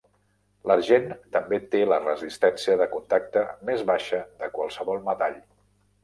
L'argent també té la resistència de contacte més baixa de qualsevol metall.